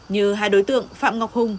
như hai đối tượng phạm ngọc hùng